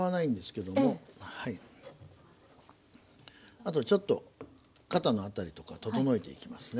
あとちょっと肩の辺りとか整えていきますね。